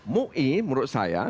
mui menurut saya